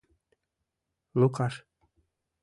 ЛУКАШ